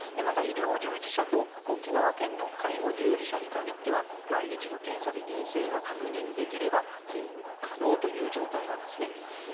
また、医療従事者と沖縄県の介護従事者に限っては毎日の検査で陰性が確認できれば勤務が可能という状態です。